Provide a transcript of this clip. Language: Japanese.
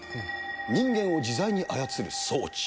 人間を自在に操る装置。